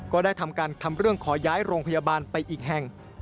ก็ได้ทำการทำเรื่องขอย้ายโรงพยาบาลไปอีกแห่ง